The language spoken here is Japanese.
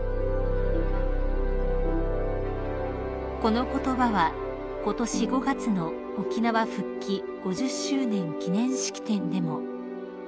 ［この言葉はことし５月の沖縄復帰５０周年記念式典でも］